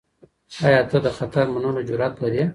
آیا ته د خطر منلو جرئت لرې؟